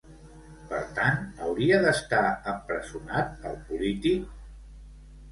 Per tant, hauria d'estar empresonat el polític?